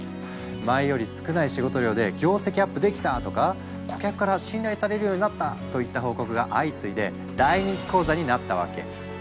「前より少ない仕事量で業績アップできた！」とか「顧客から信頼されるようになった！」といった報告が相次いで大人気講座になったわけ。